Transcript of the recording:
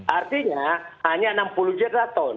artinya hanya enam puluh juta ton